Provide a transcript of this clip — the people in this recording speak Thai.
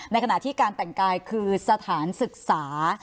ขณะที่การแต่งกายคือสถานศึกษา